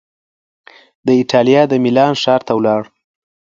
د ایټالیا د میلان ښار ته ولاړ